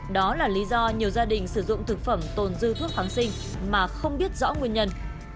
đó là lý do nhiều gia đình sử dụng thực phẩm tồn dư thuốc kháng sinh mà không biết rõ nguyên nhân